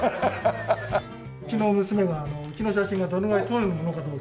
うちの娘がうちの写真がどのぐらい通るものかどうか。